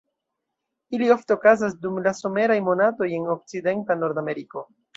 Ili ofte okazas dum la someraj monatoj en okcidenta Nord-Ameriko.